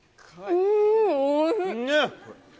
うーん、おいしい。